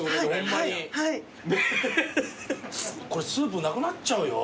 これスープなくなっちゃうよ。